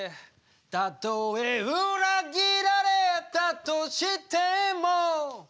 「たとえ裏切られたとしても」